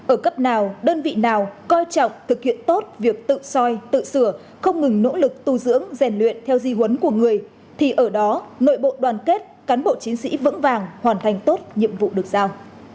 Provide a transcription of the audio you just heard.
ở cấp nào đơn vị nào coi trọng thực hiện tốt việc tự soi tự sửa không ngừng nỗ lực tu dưỡng rèn luyện theo di huấn của người thì ở đó nội bộ đoàn kết cán bộ chiến sĩ vững vàng hoàn thành tốt nhiệm vụ được giao